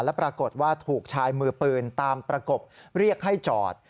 และปรากฏว่าถูกชายมือปืนตามประกบเรียกให้จอด